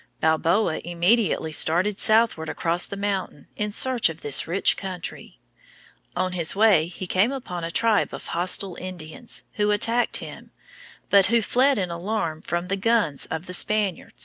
Balboa immediately started southward across the mountains in search of this rich country. On his way he came upon a tribe of hostile Indians, who attacked him, but who fled in alarm from the guns of the Spaniards.